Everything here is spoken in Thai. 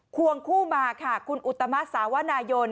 ควงคู่มาค่ะคุณอุตมะสาวนายน